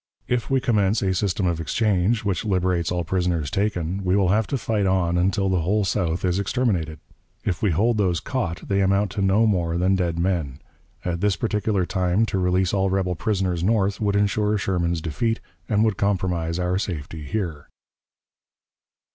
If we commence a system of exchange, which liberates all prisoners taken, we will have to fight on until the whole South is exterminated. If we hold those caught, they amount to no more than dead men. At this particular time to release all rebel prisoners North would insure Sherman's defeat, and would compromise our safety here."